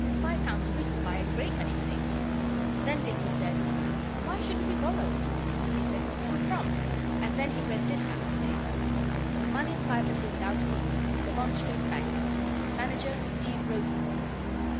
Five pounds a week would buy a great many things.' Then Dicky said, 'Why shouldn't we borrow it?' So we said, 'Who from?' and then he read this out of the paper MONEY PRIVATELY WITHOUT FEES THE BOND STREET BANK Manager, Z. Rosenbaum.